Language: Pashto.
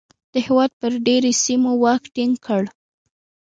د هېواد پر ډېری سیمو واک ټینګ کړ.